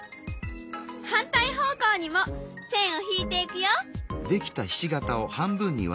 反対方向にも線を引いていくよ。